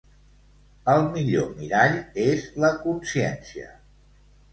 El millor mirall és la consciència.